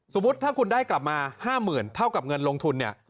สมมุติถ้าคุณได้กลับมา๕๐๐๐เท่ากับเงินลงทุนเนี่ย